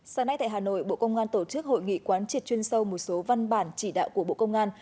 sáng nay tại hà nội bộ công an tổ chức hội nghị quán triệt chuyên sâu một số văn bản chỉ đạo của bộ công an